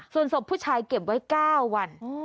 ส่วนศพผู้ชายเก็บไว้๙วัน